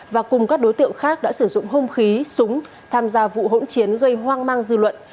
và cùng các đối tượng khác đã sử dụng hung khí súng tham gia vụ hỗn chiến gây hoang mang dư luận